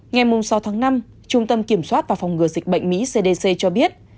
ngày sáu tháng năm trung tâm kiểm soát và phòng ngừa dịch bệnh mỹ cdc cho biết